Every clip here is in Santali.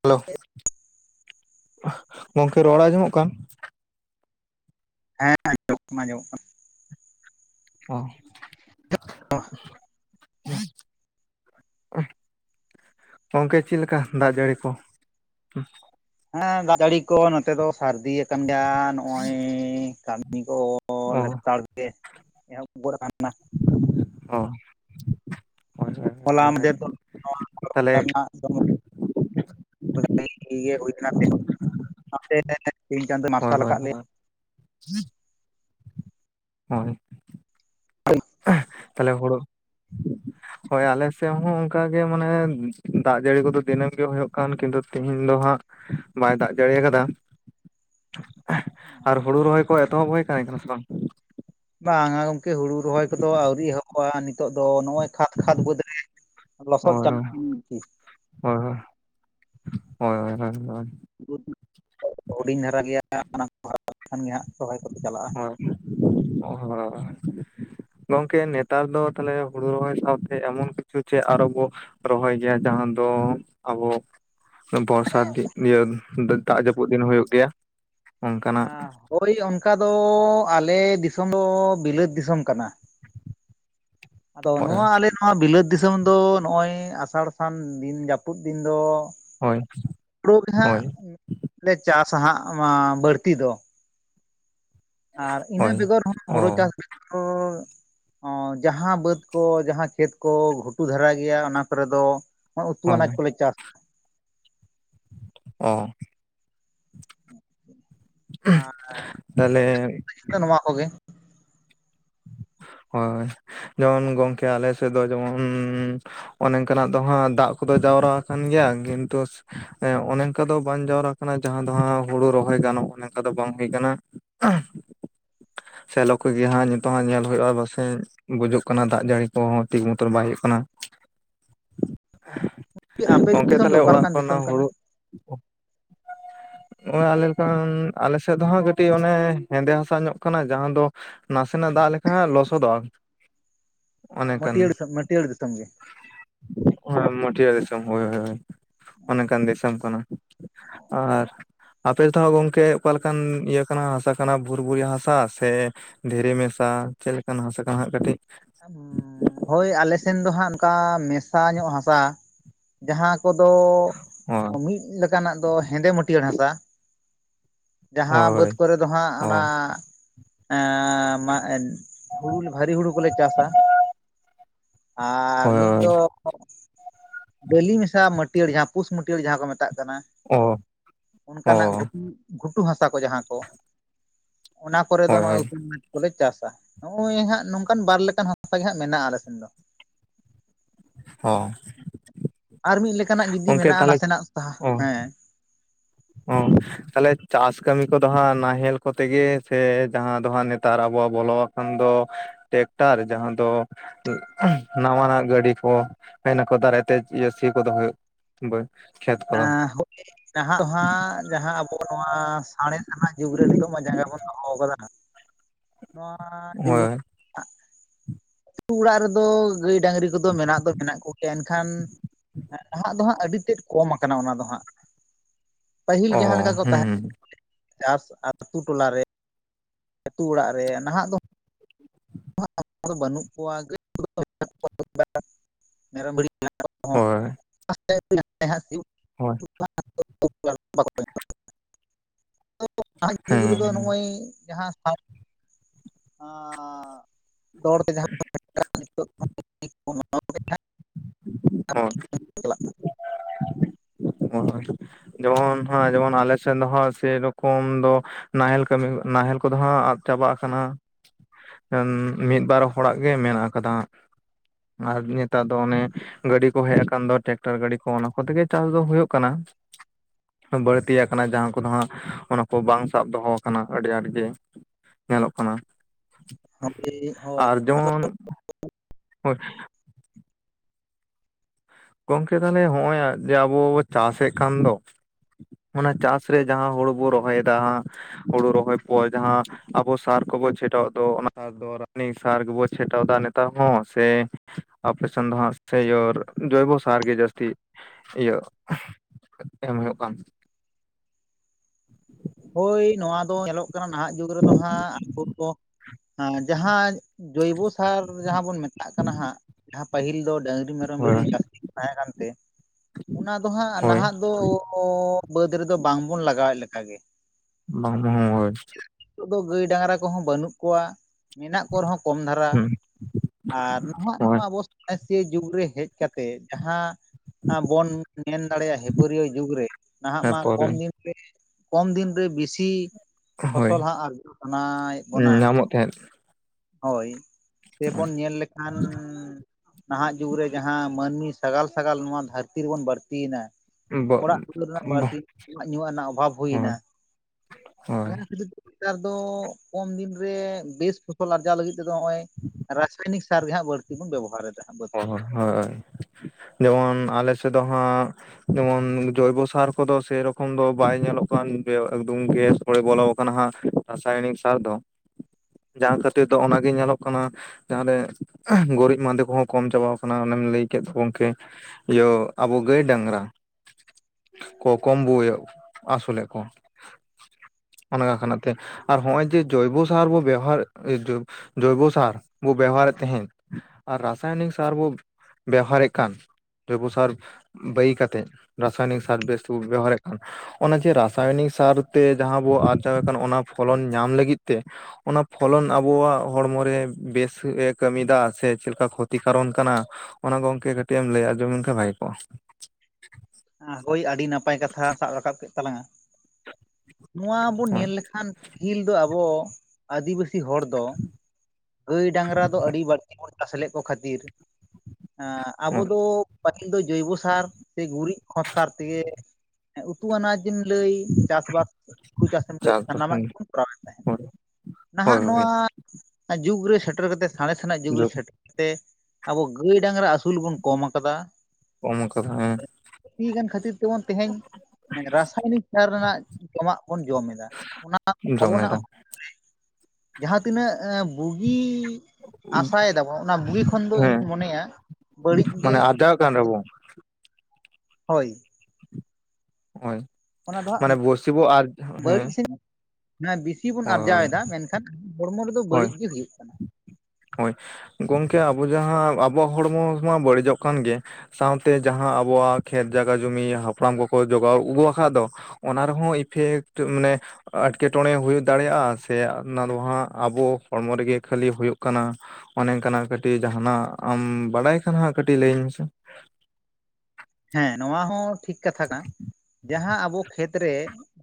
ᱦᱮᱞᱳ ᱜᱚᱝᱠᱮ ᱨᱚᱲ ᱟᱸᱡᱚᱢᱚᱜ ᱠᱟᱱ? ᱦᱮᱸ ᱟᱸᱡᱚᱢᱚᱜ ᱠᱟᱱᱟ ᱟᱸᱡᱚᱢᱚᱜ ᱠᱟᱱᱟ, ᱚ [unintelligible] ᱩᱸᱦ ᱜᱚᱝᱠᱮ ᱪᱮᱫ ᱞᱮᱠᱟ ᱫᱟᱜ ᱡᱟᱹᱲᱤ ᱠᱚ? ᱦᱮᱸ ᱫᱟᱜ ᱡᱟᱹᱲᱤ ᱠᱚ ᱱᱚᱛᱮ ᱫᱚ ᱥᱟᱨᱫᱤᱭᱟ ᱠᱟᱱ ᱜᱮᱭᱟ ᱱᱚᱜᱼᱚᱭ ᱠᱟᱹᱢᱤ ᱠᱚ ᱠᱚ ᱚ ᱞᱮᱛᱟᱲ ᱜᱮ ᱮᱦᱚᱵ ᱜᱚᱫ ᱠᱟᱱᱟ ᱾ ᱚ ᱦᱳᱭ ᱦᱳᱭ ᱦᱚᱞᱟ ᱦᱳᱭ ᱢᱟᱫᱷᱮᱨ ᱫᱚ ᱱᱚᱣᱟ ᱟᱥᱟᱲ ᱛᱟᱦᱚᱞᱮ ᱵᱚᱸᱜᱟ ᱨᱮᱱᱟᱜ ᱫᱚᱢ ᱤᱭᱟᱹ ᱦᱩᱭ ᱠᱟᱱᱟ ᱛᱮᱦᱮᱧᱚᱸᱜ ᱱᱚᱛᱮ ᱥᱤᱧ ᱪᱟᱸᱫᱳ ᱦᱳᱭ ᱢᱟᱨᱥᱟᱞ ᱦᱳᱭ ᱠᱟᱫ ᱞᱮᱭᱟ ᱦᱳᱭ ᱾ [unintelligible] [inaudible] ᱛᱟᱞᱦᱮ ᱦᱩᱲᱩ ᱦᱳᱭ ᱟᱞᱮ ᱥᱮᱫ ᱦᱚᱸ ᱚᱱᱠᱟ ᱜᱮ ᱢᱟᱱᱮ ᱫᱟᱜ ᱡᱟᱹᱲᱤ ᱠᱚᱫᱚ ᱫᱤᱱᱟᱹᱢ ᱜᱮ ᱦᱩᱭᱩᱜ ᱠᱟᱱ ᱠᱤᱱᱛᱩ ᱛᱮᱤᱦᱤᱧ ᱫᱚ ᱦᱟᱸᱜ ᱵᱟᱭ ᱫᱟᱜ ᱡᱟᱲᱤᱭᱟ ᱠᱟᱫᱟ ᱾ ᱮᱦ ᱟᱨ ᱦᱩᱲᱩ ᱨᱚᱦᱚᱭ ᱠᱚ ᱮᱛᱚᱦᱚᱵ ᱦᱩᱭ ᱠᱟᱸᱭ ᱠᱟᱱᱟ ᱥᱮ ᱵᱟᱝ? ᱵᱟᱝᱼᱟ ᱜᱚᱝᱠᱮ ᱦᱩᱲᱩ ᱨᱚᱦᱚᱭ ᱠᱚᱫᱚ ᱟᱹᱣᱨᱤ ᱮᱦᱚᱵᱚᱜ-ᱟ ᱱᱤᱛᱚᱜ ᱫᱚ ᱱᱚᱜᱼᱚᱭ ᱠᱷᱟᱫᱽ ᱠᱷᱟᱫᱽ ᱵᱟᱹᱫᱽ ᱨᱮ ᱞᱚᱥᱚᱫ ᱪᱟᱞᱩᱜ [unintelligible] ᱟᱨᱠᱤ, ᱦᱩᱸ ᱦᱩᱸ ᱦᱳᱭ ᱦᱳᱭ ᱩᱸ ᱩᱸ [unintelligible] ᱦᱩᱰᱤᱧ ᱫᱷᱟᱨᱟ ᱜᱮᱭᱟ [unintelligible] ᱦᱟᱸᱜ ᱨᱚᱦᱚᱭ ᱠᱚᱫᱚ ᱪᱟᱞᱟᱜᱼᱟ [unintelligible] ᱜᱚᱝᱠᱮ ᱱᱮᱛᱟᱨ ᱫᱚ ᱛᱟᱦᱚᱞᱮ ᱦᱩᱲᱩ ᱨᱚᱦᱚᱭ ᱥᱟᱶᱛᱮ ᱮᱢᱚᱱ ᱠᱤᱪᱷᱩ ᱪᱮᱫ ᱟᱨ ᱟᱵᱚ ᱨᱚᱦᱚᱭ ᱜᱮᱭᱟ ᱡᱟᱦᱟᱸ ᱫᱚ ᱟᱵᱚ ᱵᱚᱨᱥᱟ ᱫᱤᱱ ᱤᱭᱟ ᱫᱟᱜ ᱡᱟᱹᱯᱩᱫ ᱫᱤᱱ ᱦᱩᱭᱩᱜ ᱜᱮᱭᱟ ᱾ ᱦᱳᱭ ᱚᱱᱠᱟ ᱫᱚ ᱟᱞᱮ ᱫᱤᱥᱚᱢ ᱫᱚ ᱵᱤᱞᱟᱹᱛ ᱫᱤᱥᱚᱢ ᱠᱟᱱᱟ ᱾ ᱟᱫᱚ ᱦᱳᱭ ᱱᱚᱣᱟ ᱟᱞᱮ ᱱᱚᱣᱟ ᱵᱤᱞᱟᱹᱛ ᱫᱤᱥᱚᱢ ᱫᱚ ᱱᱚᱜᱼᱚᱭ ᱟᱥᱟᱲ ᱥᱟᱱ ᱫᱤᱱ ᱡᱟᱹᱯᱩᱫ ᱫᱤᱱ ᱫᱚ ᱦᱳᱭ ᱦᱩᱲᱳ ᱜᱮ ᱦᱟᱸᱜ ᱦᱳᱭ ᱞᱮ ᱪᱟᱥᱟ ᱦᱟᱸᱜ ᱵᱟᱹᱲᱛᱤ ᱫᱚ, ᱟᱨ ᱤᱱᱟᱹ ᱵᱮᱜᱚᱨ ᱦᱚᱸ ᱦᱩᱲᱩ ᱚ ᱪᱟᱥ ᱵᱮᱜᱚᱨ ᱦᱚᱸ ᱡᱟᱦᱟᱸ ᱵᱟᱹᱫᱽ ᱠᱚ ᱡᱟᱦᱟᱸ ᱠᱷᱮᱛ ᱠᱚ ᱜᱷᱩᱴᱩ ᱫᱷᱟᱨᱟ ᱜᱮᱭᱟ ᱚᱱᱟ ᱠᱚᱨᱮ ᱫᱚ ᱚᱱᱮ ᱩᱛᱩ ᱦᱳᱭ ᱟᱱᱟᱡ ᱠᱚᱞᱮ ᱪᱟᱥ ᱚ ᱛᱟᱦᱞᱮ ᱱᱚᱣᱟ ᱠᱚᱜᱮ, ᱦᱳᱭ ᱡᱮᱢᱚᱱ ᱜᱚᱝᱠᱮ ᱟᱞᱮ ᱥᱮᱫ ᱫᱚ ᱡᱮᱢᱚᱱ ᱚᱱᱮ ᱚᱱᱠᱟᱱᱟᱜ ᱫᱚ ᱦᱟᱸᱜ ᱫᱟᱜ ᱠᱚᱫᱚ ᱡᱟᱣᱨᱟᱣ ᱟᱠᱟᱱ ᱜᱮᱭᱟ, ᱠᱤᱱᱛᱩ ᱚᱱᱮ ᱚᱱᱠᱟ ᱫᱚ ᱵᱟᱝ ᱡᱟᱣᱨᱟ ᱠᱟᱱᱟ ᱡᱟᱦᱟᱸ ᱫᱚ ᱦᱩᱲᱩ ᱨᱚᱦᱚᱭ ᱜᱟᱱᱚᱜ-ᱟ ᱚᱱᱮ ᱚᱱᱠᱟ ᱫᱚ ᱵᱟᱝ ᱦᱩᱭ ᱟᱠᱟᱱᱟ ᱾ ᱥᱮᱞᱳ ᱠᱚᱜᱮ ᱜᱮ ᱦᱟᱸᱜ ᱱᱤᱛᱳᱜ ᱦᱟᱸᱜ ᱧᱮᱞ ᱦᱩᱭᱩᱜᱼᱟ ᱯᱟᱥᱮᱡ ᱜᱩᱡᱩᱜ ᱠᱟᱱᱟ ᱫᱟᱜ ᱡᱟᱹᱲᱤ ᱠᱚᱦᱚᱸ ᱴᱷᱤᱠ ᱢᱚᱛᱚᱱ ᱵᱟᱭ ᱦᱩᱭᱩᱜ ᱠᱟᱱᱟ ᱟᱯᱮ ᱾ ᱜᱚᱝᱠᱮ ᱫᱤᱥᱚᱢ ᱫᱚ ᱛᱟᱦᱞᱮ ᱚᱠᱟ ᱚᱲᱟᱜ ᱞᱮᱠᱟᱱ ᱫᱤᱥᱚᱢ ᱠᱚᱨᱮᱱᱟᱜ ᱠᱟᱱᱟ ᱦᱩᱲᱩ ᱱᱚᱜ-ᱚᱭ ᱟᱞᱮ ᱞᱮᱠᱟᱱ ᱟᱞᱮ ᱥᱮᱫ ᱫᱚ ᱦᱟᱸᱜ ᱠᱟᱹᱴᱤᱡ ᱚᱱᱮ ᱦᱮᱸᱫᱮ ᱦᱟᱥᱟ ᱧᱚᱜ ᱠᱟᱱᱟ ᱡᱟᱦᱟᱸ ᱫᱚ ᱱᱟᱥᱮ ᱱᱟᱥᱮ ᱱᱟᱜ ᱫᱟᱜ ᱞᱮᱠᱷᱟᱱ ᱞᱚᱥᱚᱫᱚᱜᱼᱟ ᱾ ᱢᱟᱹᱴᱤᱭᱟᱹ ᱫᱤᱥᱚᱢ ᱢᱟᱹᱴᱤᱭᱟᱹᱲ ᱫᱤᱥᱚᱢ ᱜᱮ ᱾ ᱦᱮᱸ ᱢᱟᱹᱴᱤᱭᱟ ᱫᱤᱥᱚᱢ ᱦᱳᱭ ᱦᱳᱭ ᱦᱳᱭ ᱾ ᱚᱱᱮ ᱟᱪᱪᱷᱟ ᱚᱱᱠᱟᱱ ᱟᱪᱪᱷᱟ᱾ ᱫᱤᱥᱚᱢ ᱠᱟᱱᱟ, ᱟᱨ ᱟᱯᱮ ᱥᱮᱫ ᱫᱚ ᱦᱚᱸᱜ ᱜᱚᱝᱠᱮ ᱚᱠᱟᱞᱮᱠᱟᱱ ᱤᱭᱟᱹ ᱠᱟᱱᱟ ᱦᱟᱥᱟ ᱠᱟᱱᱟ ᱵᱷᱩᱨ ᱵᱷᱩᱨᱤ ᱦᱟᱥᱟ ᱥᱮ ᱫᱷᱤᱨᱤ ᱢᱮᱥ ᱦᱟᱥᱟ ᱪᱮᱫ ᱞᱮᱠᱟᱱ ᱦᱟᱥᱟ ᱠᱟᱱᱟ ᱦᱟᱸᱜ ᱠᱟᱹᱴᱤᱡ ᱦᱳᱭ ᱟᱞᱮ ᱥᱮᱱ ᱫᱚ ᱦᱟᱸᱜ ᱚᱱᱠᱟ ᱢᱮᱥᱟ ᱧᱚᱜ ᱦᱟᱥᱟ᱾ ᱡᱟᱦᱟᱸ ᱠᱚᱫᱚ ᱦᱳᱭ ᱢᱤᱫ ᱞᱮᱠᱟᱱᱟᱜ ᱫᱚ ᱦᱮᱸᱫᱮ ᱢᱟᱹᱴᱭᱟᱹᱲ ᱦᱟᱥᱟ᱾ ᱡᱟᱦᱟᱸ ᱵᱟᱹᱫᱽ ᱦᱳᱭ ᱠᱚᱨᱮ ᱫᱚ ᱦᱟᱸᱜ ᱚᱱᱟ ᱦᱳᱭ ᱚ ᱮ ᱢᱟ ᱮ ᱦᱩᱲᱩ ᱵᱷᱟᱨᱤ ᱦᱩᱲᱩ ᱠᱚ ᱞᱮ ᱟᱨ ᱦᱳᱭ ᱢᱤᱫ ᱦᱳᱭ ᱫᱚ ᱰᱟᱹᱞᱤ ᱢᱮᱥᱟ ᱢᱟᱹᱴᱭᱟᱹᱲ ᱡᱟᱦᱟᱸ ᱯᱩᱥ ᱢᱟᱹᱴᱭᱟᱹᱲ ᱡᱟᱦᱟᱸ ᱠᱚ ᱢᱮᱛᱟᱜ ᱠᱟᱱᱟ᱾ ᱚ ᱚ ᱚᱱᱠᱟᱱᱟᱜ ᱜᱷᱩᱴᱩ ᱜᱷᱩᱴᱩ ᱦᱟᱥᱟ ᱠᱚ ᱡᱟᱦᱟᱸ ᱠᱚ ᱾ ᱚᱱᱟ ᱠᱚᱨᱮ ᱫᱚ ᱦᱳᱭ ᱱᱚᱜᱼᱚᱭ ᱦᱳᱭ ᱩᱛᱩ ᱠᱚᱞᱮ ᱪᱟᱥᱟ ᱱᱚᱜᱼᱚᱭ ᱦᱟᱸᱜ ᱱᱚᱝᱠᱟᱱ ᱵᱟᱨ ᱞᱮᱠᱟᱱ ᱦᱥᱟ ᱜᱮ ᱦᱟᱸᱜ ᱢᱮᱱᱟᱜᱼᱟ ᱟᱞᱮᱥᱮᱱ ᱫᱚ᱾ ᱚ ᱟᱨ ᱢᱤᱫᱮᱠᱟᱱᱟᱜ ᱡᱩᱫᱤ ᱜᱚᱝᱠᱮ ᱢᱮᱱᱟᱜ-ᱟ ᱛᱟᱦᱚᱞᱮ ᱱᱟᱥᱮᱱᱟᱜ ᱥᱟᱦᱟ ᱚ ᱦᱮᱸ᱾ ᱚ ᱛᱟᱦᱚᱞᱮ ᱪᱟᱥ ᱠᱟᱹᱢᱤ ᱠᱚᱫᱚ ᱦᱟᱸᱜ ᱱᱟᱦᱮᱞ ᱠᱚᱛᱮ ᱜᱮ ᱥᱮ ᱡᱟᱦᱟᱸ ᱫᱚ ᱦᱟᱸᱜ ᱱᱮᱛᱟᱨ ᱟᱵᱚᱣᱟᱜ ᱵᱚᱞᱚ ᱠᱷᱟᱱ ᱫᱚ ᱴᱮᱠᱴᱟᱨ ᱡᱟᱦᱟᱸ ᱫᱚ ᱱᱟᱣᱟᱱᱟᱜ ᱜᱟᱹᱰᱤ ᱠᱚ ᱦᱳᱭ ᱚᱱᱟᱠᱚ ᱫᱟᱨᱟᱭ ᱛᱮ ᱤᱭᱟ ᱥᱤ ᱠᱚᱫᱚ ᱦᱩᱭᱩᱜ ᱵᱟᱹᱫ ᱠᱷᱮᱛ ᱠᱚ ᱾ ᱱᱟᱦᱟᱜ ᱫᱚ ᱦᱟᱸᱜ ᱡᱟᱦᱟᱸ ᱟᱵᱚ ᱱᱚᱣᱟ ᱥᱟᱬᱮᱸᱥᱟᱱᱟᱜ ᱡᱩᱜᱽ ᱨᱮ ᱱᱤᱛᱚᱜ ᱢᱟ ᱡᱟᱸᱜᱟ ᱵᱚᱱ ᱫᱚᱦᱚ ᱟᱠᱟᱫᱟ ᱾ [inaudible] ᱱᱚᱣᱟ ᱡᱩᱜᱽ ᱦᱳᱭ ᱨᱮ ᱟᱛᱩ ᱚᱲᱟᱜ ᱨᱮᱫᱚ ᱜᱟᱹᱭ ᱰᱟᱹᱟᱝᱨᱤ ᱠᱚᱫᱚ ᱢᱮᱱᱟᱜ ᱫᱚ ᱢᱮᱱᱟᱜ ᱠᱚᱜᱮᱭᱟ ᱮᱱᱠᱷᱟᱱ ᱱᱟᱦᱟᱜ ᱫᱚ ᱦᱟᱸᱜ ᱟᱹᱰᱤ ᱛᱮᱫ ᱠᱚᱢ ᱟᱠᱟᱱᱟ ᱚᱱᱟ ᱫᱚ ᱦᱟᱸᱜ, ᱯᱟᱹᱦᱤᱞ ᱚ ᱡᱟᱦᱟᱸ ᱞᱮᱠᱟ ᱠᱚ ᱛᱟᱦᱮᱸᱜ ᱦᱩᱸ ᱪᱟᱥ ᱟᱛᱩ ᱴᱚᱞᱟ ᱨᱮ ᱟᱹᱛᱩ ᱚᱲᱟᱜ ᱨᱮ ᱱᱟᱦᱟᱜ ᱫᱚ [unintelligible] ᱵᱟᱹᱱᱩᱜ ᱠᱚᱣᱟ [unintelligible] ᱢᱮᱨᱚᱢ ᱵᱷᱤᱲᱤ ᱠᱚᱦᱚᱸ ᱦᱳᱭ [unintelligible] ᱦᱳᱭ [unintelligible] [unintelligible] ᱱᱟᱦᱟᱜ ᱡᱩᱜᱽ ᱨᱮᱫᱚ ᱦᱮᱸ ᱱᱚᱜᱼᱚᱭ ᱡᱟᱦᱟᱸ ᱟ ᱫᱚᱲ ᱛᱮ ᱡᱟᱦᱟᱸ [unintelligible] ᱦᱩᱸ ᱪᱟᱞᱟᱜ ᱚ ᱡᱮᱢᱚᱱ ᱦᱮᱸ ᱡᱮᱢᱚᱱ ᱟᱞᱮᱥᱮᱱ ᱦᱚᱸ ᱥᱮᱨᱚᱠᱚᱢ ᱫᱚ ᱱᱟᱦᱮᱞ ᱠᱟᱹᱢᱤ ᱱᱟᱦᱮᱞ ᱠᱚᱫᱚ ᱦᱟᱸᱜ ᱟᱫ ᱪᱟᱵᱟ ᱠᱟᱱᱟ᱾ ᱢᱤᱫ ᱵᱟᱨ ᱦᱚᱲᱟᱜ ᱜᱮ ᱢᱮᱱᱟᱜ ᱟᱠᱟᱫᱟ ᱾ ᱟᱨ ᱱᱮᱛᱟᱨ ᱫᱚ ᱚᱱᱮ ᱜᱟᱹᱰᱤ ᱠᱚ ᱦᱮᱡ ᱟᱠᱟᱱ ᱫᱚ ᱴᱨᱟᱠᱴᱟᱨ ᱜᱟᱹᱰᱤ ᱠᱚ ᱚᱱᱟ ᱠᱚᱛᱮ ᱜᱮ ᱪᱟᱥ ᱫᱚ ᱦᱩᱭᱩᱜ ᱠᱟᱱᱟ᱾ ᱵᱟᱹᱲᱛᱤᱭᱟ ᱟᱠᱟᱱᱟ ᱡᱟᱦᱟᱸ ᱠᱚᱫᱚ ᱦᱟᱸᱜ ᱚᱱᱟ ᱠᱚ ᱵᱟᱝ ᱥᱟᱵ ᱫᱚᱦᱚ ᱟᱠᱟᱱᱟ ᱟᱹᱰᱤ ᱟᱸᱴ ᱜᱮ ᱧᱮᱞᱚᱜ ᱠᱟᱱᱟ ᱾ ᱟᱞᱤᱧ [unintelligible] ᱦᱳᱭ ᱚᱱᱟ [unintelligible] ᱜᱚᱝᱠᱮ ᱛᱟᱦᱚᱞᱮ ᱱᱚᱜᱼᱚᱭ ᱡᱮ ᱟᱵᱚ ᱵᱚ ᱪᱟᱥᱼᱮᱫ ᱠᱟᱱ ᱫᱚ ᱚᱱᱟ ᱪᱟᱥᱨᱮ ᱡᱟᱦᱟᱸ ᱦᱩᱲᱩ ᱵᱚ ᱨᱚᱦᱚᱭ ᱮᱫᱟ ᱦᱩᱲᱩ ᱨᱚᱦᱚᱭ ᱯᱚᱨ ᱡᱟᱦᱟᱸ ᱟᱵᱚ ᱥᱟᱨ ᱠᱚᱵᱚ ᱪᱷᱟᱴᱟᱣ ᱫᱚ ᱚᱱᱟ ᱫᱚ ᱨᱟᱱᱤ ᱥᱟᱨ ᱜᱮᱵᱚ ᱪᱷᱟᱴᱟᱣᱮᱫᱟ ᱱᱮᱛᱟᱨ ᱦᱚᱸ ᱥᱮᱼᱼ ᱟᱯᱮᱥᱮᱱ ᱫᱚ ᱦᱟᱸᱜ ᱥᱮᱜᱮᱨ, ᱡᱚᱭᱵᱚ ᱥᱟᱨ ᱜᱮ ᱡᱟᱹᱥᱛᱤ ᱤᱭᱟᱹ ᱮᱢ ᱦᱩᱭᱩᱜ ᱠᱟᱱᱼᱼ ᱦᱳᱭ ᱱᱚᱣᱟ ᱫᱚ ᱧᱮᱞᱚᱜ ᱠᱟᱱᱟ ᱱᱟᱦᱟᱜ ᱡᱩᱜᱽ ᱨᱮᱫᱚ ᱦᱟᱸᱜ [unintelligible] ᱡᱟᱦᱟᱸ ᱡᱚᱭᱵᱚ ᱥᱟᱨ ᱡᱟᱦᱟᱸ ᱵᱚᱱ ᱢᱮᱛᱟᱜ ᱠᱟᱱᱟ ᱦᱟᱸᱜ ᱡᱟᱦᱟᱸ ᱯᱟᱹᱦᱤᱞ ᱫᱚ ᱰᱟᱝᱨᱤᱼᱼ ᱢᱮᱨᱚᱢ ᱦᱳᱭ ᱵᱷᱤᱲᱤ ᱡᱟᱹᱥᱛᱤ ᱠᱚ ᱛᱟᱦᱮᱸ ᱠᱟᱱᱛᱮ ᱚᱱᱟ ᱫᱚ ᱦᱟᱸᱜ ᱦᱳᱭ ᱱᱟᱦᱟᱜ ᱫᱚᱼᱼ ᱟᱵᱚ ᱵᱟᱹᱫᱽ ᱨᱮᱫᱚ ᱵᱟᱝᱵᱚᱱ ᱞᱟᱜᱟᱣᱮᱫ ᱞᱮᱠᱟ ᱜᱮ ᱵᱟᱝ [unintelligible] ᱱᱤᱛᱚᱜ ᱫᱚ ᱜᱟᱹᱭ ᱰᱟᱝᱨᱟ ᱠᱚᱦᱚᱸ ᱵᱟᱹᱱᱩᱜ ᱠᱚᱣᱟ᱾ ᱢᱮᱱᱟᱜ ᱠᱚ ᱨᱮᱦᱚᱸ ᱠᱚᱢ ᱫᱷᱟᱨᱟ ᱦᱩᱸ ᱟᱨ ᱱᱟᱦᱟᱜ ᱦᱳᱭ ᱱᱚᱣᱟ ᱚᱵᱚᱼᱼ ᱟᱹᱛᱩ ᱡᱩᱜᱽ ᱨᱮ ᱦᱮᱡ ᱠᱟᱛᱮ ᱡᱟᱦᱟᱸ ᱵᱚᱱ ᱢᱮᱱ ᱫᱟᱲᱮᱭᱟᱜ ᱦᱮᱯᱟᱹᱨᱤᱭᱟᱹ ᱡᱩᱜᱽ ᱨᱮ ᱱᱟᱦᱟᱜ ᱢᱟ ᱠᱚᱢ ᱛᱟᱨᱯᱚᱨᱮ ᱫᱤᱱ ᱨᱮ ᱠᱚᱢ ᱫᱤᱱᱨᱮ ᱵᱮᱥᱤᱼᱼ ᱯᱷᱚᱥᱚᱞ ᱦᱳᱭ ᱦᱟᱸᱜ ᱟᱨᱡᱟᱣ ᱥᱟᱱᱟᱭᱮᱫ ᱵᱚᱱᱟ ᱧᱟᱢᱚᱜ ᱛᱟᱦᱮᱸᱫ ᱦᱳᱭ ᱥᱮᱵᱚᱱ ᱧᱮᱞ ᱞᱮᱠᱷᱟᱱ ᱱᱟᱦᱟᱜ ᱡᱩᱜᱽ ᱨᱮ ᱡᱟᱦᱟᱸ ᱢᱟᱹᱱᱢᱤᱼᱼ ᱥᱟᱜᱟᱞ ᱥᱟᱜᱟᱞ ᱱᱚᱣᱟ ᱫᱷᱟᱹᱨᱛᱤ ᱨᱮᱵᱚᱱ ᱵᱟᱹᱲᱛᱤ ᱭᱮᱱᱟ᱾ ᱦᱳᱭ ᱚᱲᱟᱜ ᱫᱩᱣᱟᱹᱨ ᱨᱮᱱᱟᱜ ᱵᱟᱹᱲᱛᱤ ᱡᱚᱢᱟᱜ ᱧᱩᱣᱟᱜ ᱨᱮᱱᱟᱜ ᱚᱵᱷᱟᱵᱽ ᱦᱩᱭ ᱮᱱᱟ, ᱦᱳᱭ ᱡᱟᱦᱟᱸ ᱠᱷᱟᱹᱛᱤᱨ ᱛᱮ ᱱᱮᱛᱟᱨ ᱫᱚ ᱠᱚᱢ ᱫᱤᱱ ᱨᱮ ᱵᱮᱥᱼᱼ ᱯᱷᱚᱥᱚᱞ ᱟᱨᱡᱟᱣ ᱞᱟᱹᱜᱤᱫ ᱛᱮᱫ ᱱᱚᱜᱼᱚᱭ ᱨᱟᱥᱟᱭᱱᱤᱠ ᱥᱟᱨ ᱜᱮ ᱦᱟᱸᱜ ᱵᱟᱹᱲᱛᱤ ᱵᱚᱱ ᱵᱮᱵᱚᱦᱟᱨᱮᱫ ᱮᱫᱟ᱾ ᱦᱟᱸᱜ ᱵᱟᱹᱫᱽ ᱠᱚᱨᱮ ᱦᱳᱭ ᱡᱮᱢᱚᱱ ᱟᱞᱮᱥᱮᱫ ᱫᱚ ᱦᱟᱸᱜᱼᱼ ᱡᱮᱢᱚᱱ ᱡᱚᱭᱵᱚ ᱥᱟᱨ ᱠᱚᱫᱚ ᱥᱮᱨᱚᱠᱚᱢ ᱫᱚ ᱵᱟᱭ ᱧᱮᱞᱚᱜ ᱠᱟᱱ ᱜᱮ ᱮᱠᱫᱚᱢ ᱜᱮᱥ ᱥᱮ ᱵᱚᱞᱚ ᱟᱠᱟᱱᱟ ᱦᱟᱸᱜ ᱨᱟᱥᱟᱭᱚᱱᱤᱠ ᱥᱟᱨ ᱫᱚ ᱡᱟᱦᱟᱸ ᱠᱷᱟᱹᱛᱤᱨ ᱫᱚ ᱚᱱᱟᱜ ᱜᱮ ᱧᱮᱞᱚᱜ ᱠᱟᱱᱟ ᱡᱟᱦᱟᱸᱨᱮ ᱜᱩᱨᱤᱡ ᱢᱟᱸᱫᱮ ᱠᱚᱦᱚᱸᱼᱼ ᱠᱚᱢ ᱪᱟᱵᱟᱣ ᱟᱠᱟᱱᱟ ᱚᱱᱟᱮᱢ ᱞᱟᱹᱭ ᱠᱮᱫ ᱛᱟᱵᱚᱢᱠᱮ ᱤᱭᱟᱹ ᱟᱵᱚ ᱜᱟᱹᱭ ᱰᱟᱝᱨᱟ ᱠᱚ ᱠᱚᱢᱵᱮᱫ ᱟᱹᱥᱩᱞᱮᱫ ᱠᱚᱣᱟ᱾ [unintelligible] ᱠᱷᱚᱱᱟᱜ ᱜᱮ ᱟᱨ ᱱᱚᱜᱼᱚᱭ ᱡᱮ ᱡᱚᱭᱵᱚᱚᱥᱟᱨ ᱵᱚ ᱵᱮᱣᱦᱟᱨᱼᱼ ᱡᱚᱭᱵᱚᱥᱟᱨ ᱵᱚ ᱵᱮᱣᱦᱟᱨᱮᱫ ᱛᱟᱦᱮᱸᱫ ᱟᱨ ᱨᱟᱥᱼᱼ ᱨᱟᱥᱟᱭᱚᱱᱤᱠ ᱥᱟᱨ ᱵᱚ ᱵᱮᱣᱦᱟᱨᱮᱫ ᱠᱟᱱ ᱡᱚᱭᱵᱚ ᱥᱟᱨᱼᱼ ᱵᱟᱹᱜᱤ ᱠᱟᱛᱮᱫ ᱨᱟᱥᱟᱭᱚᱱᱤᱠ ᱥᱟᱨ ᱵᱮᱥ ᱛᱮᱵᱚᱱ ᱵᱮᱵᱚᱦᱟᱨᱮᱫ ᱠᱟᱱᱼᱼ ᱚᱱᱮ ᱡᱮ ᱨᱟᱥᱟᱭᱚᱱᱤᱠ ᱥᱟᱨᱛᱮ ᱡᱟᱦᱟᱸ ᱵᱚ ᱟᱨᱡᱟᱣ ᱮ ᱠᱟᱱ ᱚᱱᱟ ᱯᱷᱚᱞᱚᱱ ᱧᱟᱢ ᱞᱟᱹᱜᱤᱫ ᱛᱮ ᱚᱱᱟ ᱯᱷᱚᱞᱚᱱ ᱟᱵᱚᱣᱟᱜ ᱦᱚᱲᱢᱚ ᱨᱮ ᱵᱮᱥ ᱜᱮ ᱠᱟᱹᱢᱤ ᱫᱟ ᱥᱮ ᱪᱮᱫᱠᱟ ᱠᱷᱚᱛᱼᱼ ᱛᱤ ᱠᱟᱨᱚᱱ ᱠᱟᱱᱟ ᱚᱱᱟ ᱜᱚᱝᱠᱮ ᱠᱟᱹᱴᱤᱡ ᱮᱢ ᱞᱟᱹᱭ ᱟᱡᱚᱢ ᱤᱧ ᱠᱷᱟᱱ ᱵᱷᱟᱜᱮ ᱠᱚᱜᱼᱟ? ᱦᱳᱭ ᱟᱹᱰᱤ ᱱᱟᱯᱟᱭ ᱠᱟᱛᱷᱟ ᱥᱟᱵ ᱨᱟᱠᱟᱵ ᱠᱮᱫ ᱛᱟᱞᱟᱝᱼᱟ ᱱᱚᱣᱟ ᱵᱚᱱ ᱦᱳᱭ ᱧᱮᱞ ᱞᱮᱠᱷᱟᱱᱼᱼ ᱯᱟᱹᱦᱤᱞ ᱫᱚ ᱟᱵᱚ ᱟᱹᱫᱤᱵᱟᱹᱥᱤ ᱦᱚᱲ ᱫᱚ, ᱜᱟᱹᱭ ᱰᱟᱝᱨᱟ ᱫᱚ ᱟᱹᱰᱤ ᱵᱟᱹᱲᱛᱤ ᱵᱚᱱ ᱪᱟᱥ ᱞᱮᱫ ᱠᱚ ᱠᱷᱟᱹᱛᱤᱨ ᱟᱵᱚ ᱦᱳᱭ ᱫᱚ ᱯᱟᱹᱦᱤᱞ ᱫᱚ ᱡᱚᱭᱵᱚ ᱥᱟᱨ ᱥᱮ ᱜᱩᱨᱤᱡ ᱠᱷᱚᱸᱫᱽ ᱥᱟᱨ ᱛᱮᱜᱮᱼᱼ ᱦᱮᱸ ᱩᱛᱩ ᱟᱱᱟᱡᱽ ᱵᱮᱱ ᱞᱟᱹᱭ ᱪᱟᱥᱵᱟᱥ ᱦᱟᱹᱲᱩ ᱪᱟᱹᱥ ᱮᱢ ᱞᱟᱹᱭ ᱪᱟᱥᱵᱟᱥ ᱥᱟᱱᱟᱢᱟᱜ ᱜᱮᱵᱚᱱ ᱠᱚᱨᱟᱣᱮᱫ ᱛᱟᱦᱮᱸᱫ ᱦᱳᱭ ᱱᱟᱦᱟᱜ ᱦᱳᱭ ᱱᱚᱣᱟᱼᱼ ᱦᱳᱭ ᱡᱩᱜ ᱨᱮ ᱥᱮᱴᱮᱨ ᱠᱟᱛᱮ ᱥᱟᱬᱮᱥ ᱱᱟᱜ ᱡᱩᱜᱽ ᱨᱮ ᱡᱚᱢ ᱥᱮᱴᱮᱨ ᱠᱟᱛᱮ ᱟᱵᱚ ᱜᱟᱹᱭ ᱰᱟᱝᱨᱟᱹᱼᱼ ᱩᱥᱩᱞ ᱵᱚᱱ ᱠᱚᱢ ᱠᱟᱫᱟ ᱠᱚᱢ ᱠᱟᱫᱟ ᱦᱮᱸ [unintelligible] ᱠᱟᱱ ᱠᱷᱟᱹᱛᱤᱨ ᱛᱮᱵᱚᱱ ᱛᱮᱦᱮᱧ ᱨᱟᱥᱟᱭᱚᱱᱤᱠ ᱥᱟᱨ ᱨᱮᱱᱟᱜ ᱡᱚᱢᱟᱜ ᱵᱚᱱ ᱡᱚᱢ ᱮᱫᱟ ᱚᱱᱟ ᱟᱵᱚᱱᱟᱜ ᱡᱚᱢᱮᱫᱟ ᱡᱟᱦᱟᱸ ᱛᱤᱱᱟᱹᱜ ᱵᱩᱜᱤ ᱟᱥᱟᱭ ᱫᱟ ᱵᱚᱱ ᱚᱱᱟ ᱵᱩᱜᱤ ᱠᱷᱚᱱ ᱫᱚ ᱤᱧ ᱦᱮᱸ ᱫᱚᱧ ᱢᱚᱱᱮᱭᱟ᱾ ᱵᱟᱹᱲᱤᱡ ᱜᱮ ᱢᱟᱱᱮ ᱟᱨᱡᱟᱣ ᱠᱟᱱ ᱡᱟᱥᱼᱼ ᱨᱮᱵᱚ ᱦᱳᱭ ᱱᱟᱜᱼᱚᱭ ᱚᱱᱟ ᱫᱚ ᱢᱟᱱᱮ ᱵᱚᱥᱤᱵᱚ ᱟᱨ ᱦ ᱦᱮᱸ ᱦᱮᱸ ᱵᱤᱥᱤ ᱵᱚᱱ ᱟᱨᱡᱟᱣ ᱦᱳᱭ ᱮᱫᱟ ᱢᱮᱱᱠᱷᱟᱱ ᱦᱚᱲᱢᱚ ᱨᱮᱫᱚ ᱦᱳᱭ ᱵᱟᱹᱲᱤᱡ ᱜᱮ ᱦᱩᱭᱩᱜ ᱠᱟᱱᱟ ᱾ ᱦᱳᱭ ᱜᱚᱝᱠᱮ ᱟᱵᱚ ᱡᱟᱦᱟᱸ ᱟᱵᱚᱣᱟᱜ ᱦᱚᱲᱢᱚ ᱢᱟ ᱵᱟᱹᱲᱤᱡᱚᱜ ᱠᱟᱱ ᱜᱮ, ᱥᱟᱶᱛᱮ ᱡᱟᱦᱟᱸ ᱟᱵᱚᱣᱟᱜ ᱠᱷᱮᱛ ᱡᱟᱜᱟ, ᱡᱩᱢᱤ ᱦᱟᱯᱲᱟᱢ ᱠᱚᱠᱚ ᱡᱚᱜᱟᱣ ᱟᱹᱜᱩ ᱟᱠᱟᱫ ᱫᱚ, ᱚᱱᱟ ᱨᱮᱦᱚᱸ ᱤᱯᱷᱮᱠᱴ ᱢᱟᱱᱮ ᱮᱴᱠᱮᱴᱚᱬᱮ ᱦᱩᱭ ᱫᱟᱲᱮᱭᱟᱜᱼᱟ ᱥᱮ ᱚᱱᱟ ᱫᱚ ᱦᱟᱸᱜ ᱟᱵᱚ ᱦᱚᱲᱢᱚ ᱨᱮᱜᱮ ᱠᱷᱟᱹᱞᱤ ᱦᱩᱭᱩᱜ ᱠᱟᱱᱟ ᱚᱱᱮ ᱚᱱᱠᱟᱱᱟᱜ ᱠᱟᱹᱴᱤᱡ ᱡᱟᱦᱟᱱᱟᱜ ᱟᱢ ᱵᱟᱲᱟᱭ ᱠᱷᱟᱱ ᱦᱟᱸᱜ ᱠᱟᱹᱴᱤᱡ ᱞᱟᱹᱭᱟᱹᱧ ᱢᱮᱥᱮ ᱾ ᱦᱮᱸ ᱱᱚᱣᱟ ᱦᱚᱸ ᱴᱷᱤᱠ ᱠᱟᱛᱷᱟ ᱠᱟᱱᱟ ᱡᱟᱦᱟᱸ ᱟᱵᱚ ᱠᱷᱮᱛ ᱨᱮ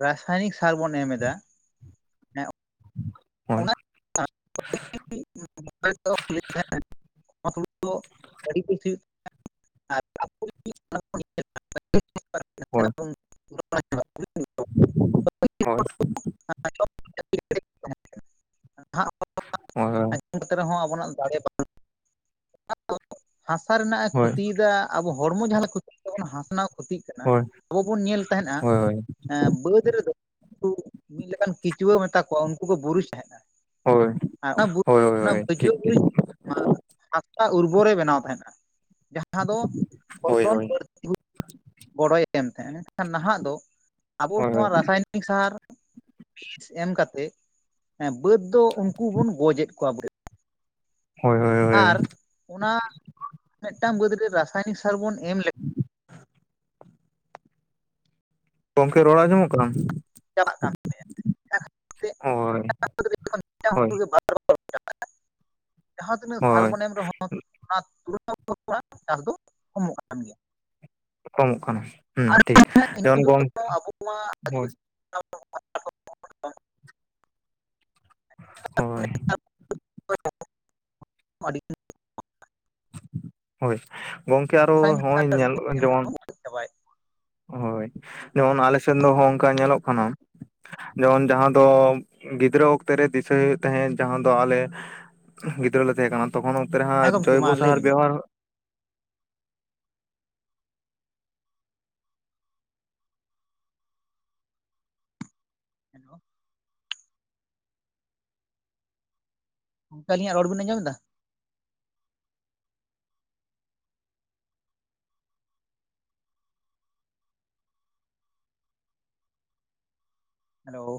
ᱨᱟᱥᱟᱭᱱᱤᱠ ᱥᱟᱨ ᱵᱚ ᱮᱢ ᱮᱫᱟ ᱦᱳᱭ ᱾ ᱚᱱᱟ [unintelligible] [unintelligible] ᱦᱳᱭ [unintelligible] ᱦᱳᱭ [unintelligible] [unintelligible] ᱮᱱᱛᱮ ᱨᱮᱦᱚᱸ ᱟᱵᱚᱱᱟᱜ ᱫᱟᱲᱮ [unintelligible] ᱦᱟᱥᱟ ᱨᱮᱱᱟᱜ ᱮ ᱦᱳᱭ ᱠᱟᱷᱩᱛᱤᱭᱫᱟ ᱟᱵᱚ ᱦᱚᱲᱢᱚ ᱡᱟᱦᱟᱸ ᱞᱮᱠᱟ ᱠᱷᱩᱛᱤᱜ ᱛᱟᱵᱚᱱᱟ ᱦᱟᱥᱱᱟ ᱠᱷᱩᱛᱤᱜ ᱠᱟᱱᱟ ᱦᱳᱭ ᱟᱵᱚ ᱵᱚᱱ ᱧᱮᱞ ᱛᱟᱦᱮᱸᱱᱟ ᱦᱳᱭ ᱵᱟᱹᱫᱽ ᱨᱮᱫᱚ ᱩᱱᱠᱩ ᱢᱤᱫ ᱞᱮᱠᱟᱱ ᱠᱤᱪᱩᱣᱟᱹ ᱢᱮᱛᱟ ᱠᱚᱣᱟ ᱩᱱᱠᱩ ᱠᱚ ᱜᱩᱨᱤᱡ ᱛᱟᱦᱮᱸᱱᱟ ᱾ ᱦᱳᱭ ᱦᱳᱭ ᱦᱳᱭ ᱦᱳᱭ ᱴᱷᱤᱠ ᱴᱷᱤᱠ ᱦᱟ ᱦᱟᱥᱟ ᱩᱨᱵᱚᱨᱮ ᱵᱮᱱᱟᱣ ᱛᱟᱦᱮᱸᱱᱟ ᱡᱟᱦᱟᱸ ᱫᱚ [unintelligible] ᱦᱳᱭ ᱵᱟᱹᱲ ᱦᱳᱭ [unintelligible] ᱜᱚᱲᱚᱭ ᱮᱢ ᱛᱟᱦᱮᱸᱜ ᱢᱮᱱᱠᱷᱟᱱ ᱱᱟᱦᱟᱜ ᱫᱚ ᱟᱵᱚ ᱦᱳᱭ ᱱᱚᱣᱟ ᱨᱟᱥᱟᱭᱮᱱ [unintelligible] ᱥᱟᱦᱟᱨ ᱵᱤᱡ ᱮᱢ ᱠᱟᱛᱮ ᱮ ᱵᱟᱹᱫᱽ ᱫᱚ ᱩᱱ ᱩᱱᱠᱩ ᱵᱚᱱ ᱜᱚᱡᱮᱫ ᱠᱚᱣᱟ ᱵ ᱦᱳᱭ ᱦᱳᱭ ᱦᱳᱭ ᱟᱨ ᱦᱳᱭ ᱚᱱᱟ ᱢᱤᱫᱴᱟᱝ ᱵᱟᱹᱫᱽ ᱨᱮ ᱨᱟᱥᱟᱭᱱᱤᱠ ᱥᱟᱨ ᱵᱚᱱ ᱮᱢ ᱞᱮ ᱜᱚᱢᱠᱮ ᱨᱚᱲ ᱟᱸᱡᱚᱢᱚᱜ ᱠᱟᱱᱟ? ᱪᱟᱵᱟᱜ ᱠᱟᱱ ᱦᱳᱭ ᱢᱤᱫᱴᱟᱝ ᱦᱳᱭ ᱾ [unintelligible] ᱡᱟᱦᱟᱸ ᱛᱤᱱᱟᱹᱜ ᱦᱳᱭ ᱥᱟᱨᱵᱚᱱ ᱮᱢ ᱨᱮᱦᱚᱸ [unintelligible] ᱪᱟᱥ ᱫᱚ ᱠᱚᱢᱚᱜ ᱠᱟᱱ ᱜᱮᱭᱟ ᱾ ᱠᱚᱢᱚᱜ ᱠᱟᱱᱟ ᱦᱮᱸ ᱴᱷᱤᱠ ᱡᱮᱢᱚᱱ ᱜᱚᱝᱠᱮ ᱟᱵᱚ ᱢᱟ ᱦᱳᱭ ᱾ [unintelligible] ᱦᱳᱭ ᱾ [unintelligible] ᱦᱳᱭ ᱜᱚᱝᱠᱮ ᱟᱨᱚ ᱨᱟᱥᱟᱭᱱᱤᱠ ᱦᱚᱸᱜᱼᱚᱭ ᱧᱮᱞᱚᱜᱼᱟ ᱥᱟᱨ ᱮᱢ ᱡᱮᱢᱚᱱ ᱛᱮᱵᱚᱱ ᱜᱚᱡ ᱪᱟᱵᱟᱭᱮᱫ ᱦᱳᱭ ᱡᱮᱢᱚᱱ ᱟᱞᱮᱥᱮᱱ ᱫᱚ ᱱᱚᱜ ᱚᱱᱠᱟ ᱧᱮᱞᱚᱜ ᱠᱟᱱᱟ ᱡᱮᱢᱚᱱ ᱡᱟᱦᱟᱸ ᱫᱚ ᱜᱤᱫᱽᱨᱟᱹ ᱚᱠᱛᱮ ᱨᱮ ᱫᱤᱥᱟᱹᱭ ᱦᱩᱭᱩᱜ ᱛᱟᱦᱮᱸᱫ ᱡᱟᱦᱟᱸ ᱫᱚ ᱟᱞᱮ ᱜᱤᱫᱽᱨᱟᱹ ᱞᱮ ᱛᱟᱦᱮᱸ ᱠᱟᱱᱟ ᱛᱚᱠᱷᱚᱱ ᱚᱱᱛᱮ ᱨᱮ ᱦᱮᱸ ᱦᱟᱸ ᱜᱚᱢᱠᱮ ᱢᱟ ᱡᱚᱭᱵᱚ ᱞᱟᱹᱭ ᱥᱟᱨ ᱵᱤᱱ ᱵᱮᱣᱦᱟᱨ ᱦᱮᱞᱳ ᱾ ᱜᱚᱢᱠᱮ ᱟᱹᱞᱤᱧᱟᱜ ᱨᱚᱲ ᱵᱮᱱ ᱟᱸᱡᱚᱢ ᱮᱫᱟ? ᱦᱮᱞᱳ ᱾